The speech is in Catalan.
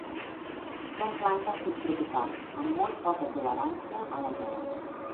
Són plantes subtropicals, amb molt poca tolerància a les gelades.